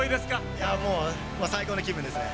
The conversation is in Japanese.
いやぁ、もう最高の気分ですね。